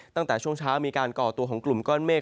ตั้งแต่ช่วงเช้ามีการก่อตัวของกลุ่มก้อนเมฆ